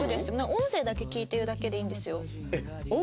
音声だけ聞いてるだけでいいんですよ。